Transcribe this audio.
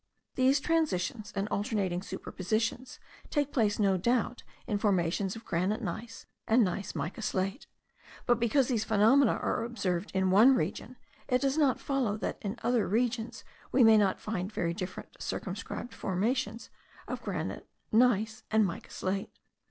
These transitions and alternating superpositions take place no doubt in formations of granite gneiss and gneiss mica slate; but because these phenomena are observed in one region, it does not follow that in other regions we may not find very distinct circumscribed formations of granite, gneiss, and mica slate.